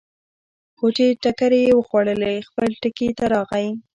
خو چې ټکرې یې وخوړلې، خپل ټکي ته راغی.